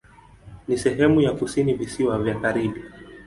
Ni sehemu ya kusini Visiwa vya Karibi.